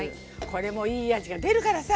これもいい味が出るからさ